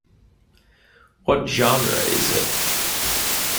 What genre is it?